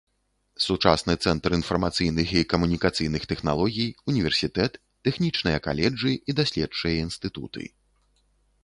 Сучасны цэнтр інфармацыйных і камунікацыйных тэхналогій, універсітэт, тэхнічныя каледжы і даследчыя інстытуты.